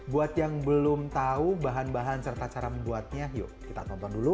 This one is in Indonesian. buat yang belum tahu bahan bahan serta cara membuatnya yuk kita tonton dulu